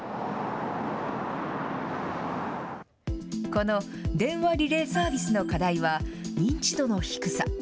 この電話リレーサービスの課題は、認知度の低さ。